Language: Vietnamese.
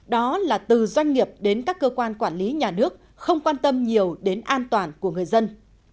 đó là từ doanh nghiệp đến các cơ quan quản lý nhà nước không quan tâm nhiều đến an toàn của người dân